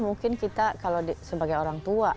mungkin kita kalau sebagai orang tua